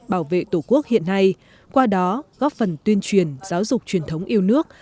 bảo vệ tổ quốc hiện nay qua đó góp phần tuyên truyền giáo dục truyền thống yêu nước